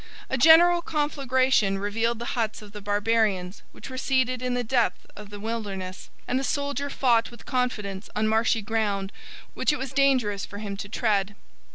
A general conflagration revealed the huts of the Barbarians, which were seated in the depth of the wilderness; and the soldier fought with confidence on marshy ground, which it was dangerous for him to tread.